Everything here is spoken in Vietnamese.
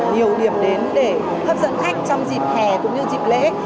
nhiều điểm đến để hấp dẫn khách trong dịp hè cũng như dịp lễ